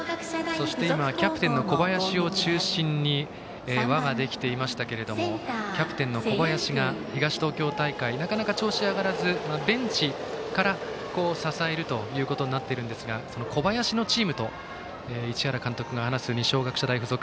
キャプテンの小林を中心に輪ができていましたけどもキャプテンの小林が東東京大会でなかなか調子が上がらずベンチから支えることになっているんですがその小林のチームと市原監督が話す二松学舎大付属。